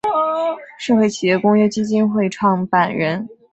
社会企业公约基金会创办人。